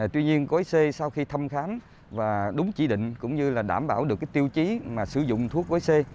tuy nhiên gói c sau khi thăm khám và đúng chỉ định cũng như là đảm bảo được tiêu chí sử dụng thuốc gói c